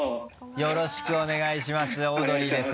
よろしくお願いします。